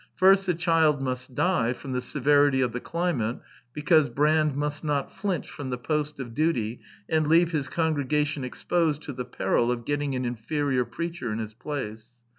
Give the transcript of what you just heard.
First the child must die from the severity of the climate because Brand must not flinch from the post of duty and leave his congregation exposed to the peril of getting an inferior preacher in his place.